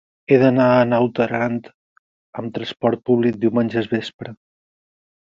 He d'anar a Naut Aran amb trasport públic diumenge al vespre.